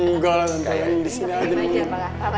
enggak lah nanti lagi di sini ada yang ngajar